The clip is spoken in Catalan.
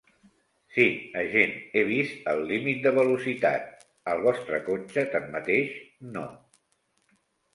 Sí, agent, he vist el límit de velocitat. El vostre cotxe, tanmateix, no.